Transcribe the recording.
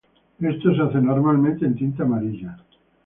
Esto se hace normalmente en tinta amarilla.